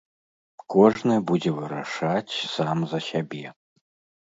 Кожны будзе вырашаць сам за сябе.